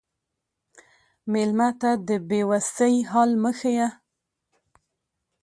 مېلمه ته د بې وسی حال مه ښیه.